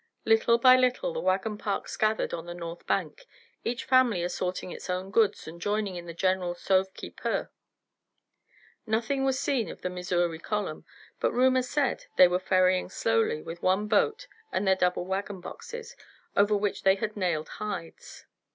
Little by little the wagon parks gathered on the north bank, each family assorting its own goods and joining in the general sauve qui peut. Nothing was seen of the Missouri column, but rumor said they were ferrying slowly, with one boat and their doubled wagon boxes, over which they had nailed hides.